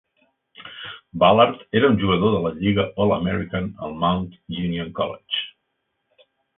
Ballard era un jugador de la lliga All American al Mount Union College.